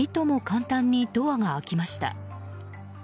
簡単にドアが開きました。